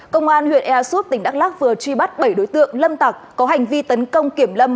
công an huyện ea súp tỉnh đắk lắc vừa truy bắt bảy đối tượng lâm tặc có hành vi tấn công kiểm lâm